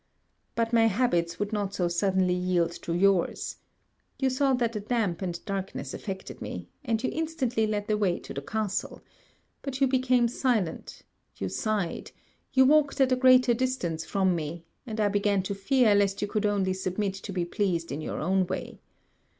But my habits would not so suddenly yield to your's. You saw that the damp and darkness affected me, and you instantly led the way to the castle: but you became silent: you sighed: you walked at a greater distance from me: and I began to fear lest you could only submit to be pleased in your own way.